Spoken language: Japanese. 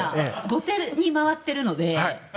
後手に回っているので。